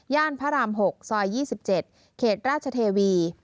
พระราม๖ซอย๒๗เขตราชเทวี